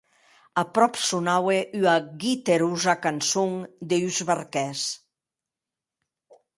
Aprop sonaue era guiterosa cançon d’uns barquèrs.